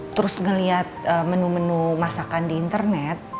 terus ngelihat menu menu masakan di internet